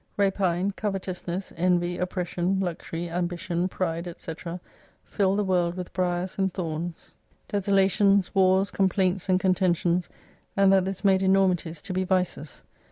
Rapine, covetousness, envy, oppression, luxury, ambition, pride &c.,filted.the world with briars and thorns, desolations 256 wars, complaints, and contentions, and that this made enormities to be vices.